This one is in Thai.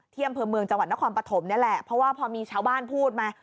อำเภอเมืองจังหวัดนครปฐมนี่แหละเพราะว่าพอมีชาวบ้านพูดมา